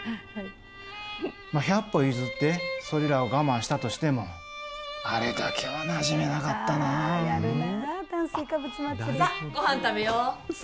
百歩譲ってそれらを我慢したとしても、あれだけはなじめなかったさあ、ごはん食べよ。